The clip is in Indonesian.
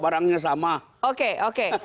barangnya sama oke oke